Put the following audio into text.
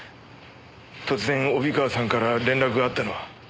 突然帯川さんから連絡があったのは。